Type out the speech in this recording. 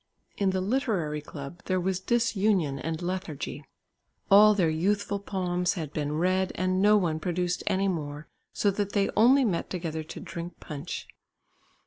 In the literary club there was disunion and lethargy. All their youthful poems had been read and no one produced any more, so that they only met together to drink punch.